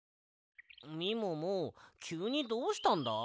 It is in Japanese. みももきゅうにどうしたんだ？